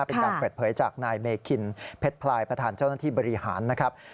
เป็นการเปิดเผยจากนายเมคินเพชรพลายประธานเจ้าหน้าที่บริหารนะครับ